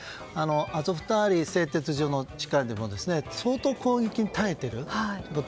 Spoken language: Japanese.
アゾフスターリ製鉄所の地下でも相当、攻撃に耐えている。